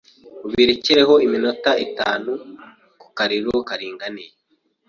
ubirekereho iminota itanu ku kariro karinganiye